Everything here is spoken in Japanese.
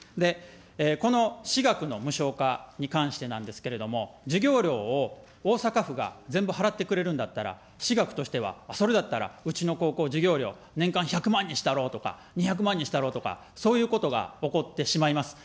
この私学の無償化に関してなんですけれども、授業料を大阪府が全部払ってくれるんだったら、私学としては、それだったら、うちの高校授業料年間１００万にしたろうとか、２００万にしたろうとか、そういうことが起こってしまいます。